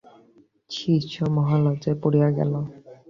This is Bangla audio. শিষ্য মহা লজ্জায় পড়িয়া গেল।